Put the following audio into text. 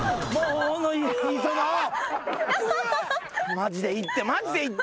マジでいいって。